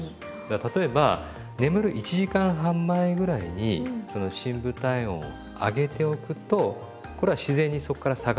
例えば眠る１時間半前ぐらいにその深部体温を上げておくとこれは自然にそこから下がってくるんです。